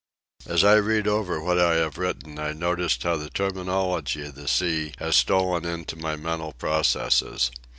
As I read over what I have written I notice how the terminology of the sea has stolen into my mental processes.